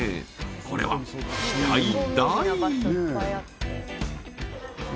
これは期待大！